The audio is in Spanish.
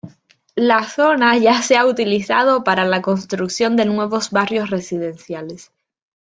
La zona ya que se ha utilizado para la construcción de nuevos barrios residenciales.